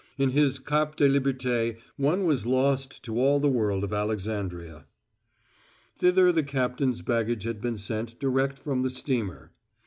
In his Cap de Liberté one was lost to all the world of Alexandria. Thither the captain's baggage had been sent direct from the steamer.